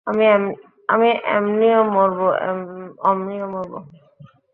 আমি এমনিও মরবো, ওমনিও মরবো।